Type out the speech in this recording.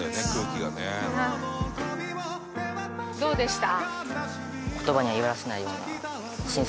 どうでした？